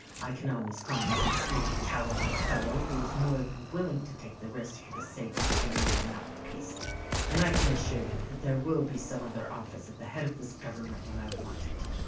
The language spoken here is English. I can always find some small calibre fellow who is more than willing to take the risks for the sake of being my mouthpiece; and I can assure you that there will be some other office at the head of this government when I want it.